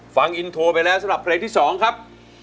ฟังอินโทรไปแล้วสำหรับเพลงที่๒ครับ